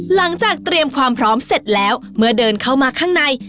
เตรียมความพร้อมเสร็จแล้วเมื่อเดินเข้ามาข้างใน